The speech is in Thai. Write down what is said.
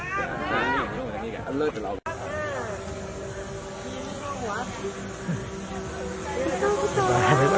ท่านน้องมีหลายเรือนประมาณหมด้วย